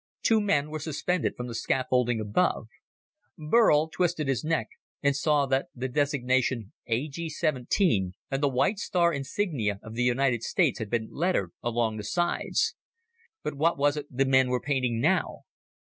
Two men were suspended from the scaffolding above. Burl twisted his neck and saw that the designation A G 17 and the white star insignia of the United States had been lettered along the sides. But what was it the men were painting now?